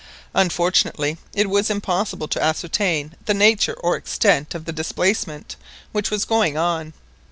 Unfortunately it was impossible to ascertain the nature or extent of the displacement which was going on.